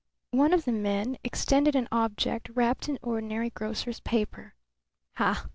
One of the men extended an object wrapped in ordinary grocer's paper. "Ha!